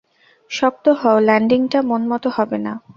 শক্ত হও, ল্যান্ডিংটা মনমতো হবে না।